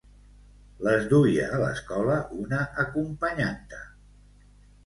Les duia a l'escola una acompanyanta.